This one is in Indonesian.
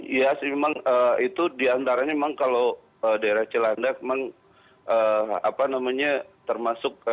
ya itu di antara memang kalau daerah cilandak memang termasuk